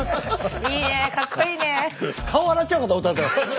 いいねかっこいいね。